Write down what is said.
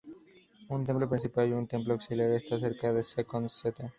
Un templo principal y un templo auxiliar están cerca de Second St.